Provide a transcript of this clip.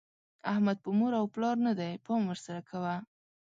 احمد په مور او پلار نه دی؛ پام ور سره کوه.